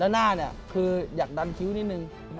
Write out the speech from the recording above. แล้วหน้าเนี่ยคืออยากดันคิ้วนิดหนึ่ง